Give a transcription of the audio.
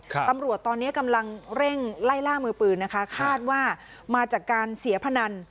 ตำรวจตอนนี้กำลังเร่งไล่ล่ามือปืนนะคะคาดว่ามาจากการเสียพนัน